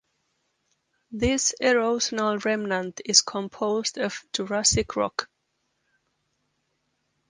This erosional remnant is composed of Jurassic rock.